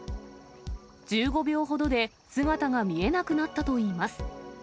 １５秒ほどで姿が見えなくなったといいます。